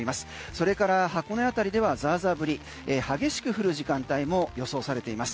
それから箱根あたりではザーザー降り激しく降る時間帯も予想されています。